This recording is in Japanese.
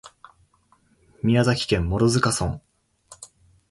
宮崎県諸塚村